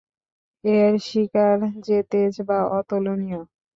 এর শিখার যে তেজ, তা অতুলনীয়।